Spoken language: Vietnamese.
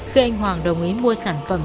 khi anh hoàng đồng ý mua sản phẩm